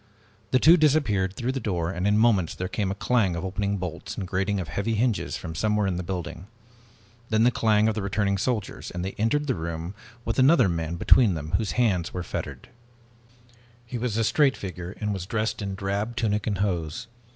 The two disappeared through the door, and in moments there came a clang of opening bolts and grating of heavy hinges from somewhere in the building. Then the clang of the returning soldiers, and they entered the room with another man between them whose hands were fettered. [Illustration: Illustrated by MOREY] He was a straight figure, and was dressed in drab tunic and hose.